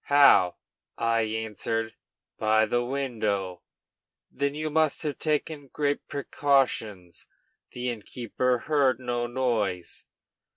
'How?' I answered, 'By the window.' 'Then you must have taken great precautions; the innkeeper heard no noise.'